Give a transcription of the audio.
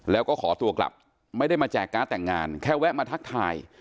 แล้วก็ขอตัวกลับไม่ได้มาแจกการ์ดแต่งงานแค่แวะมาทักทาย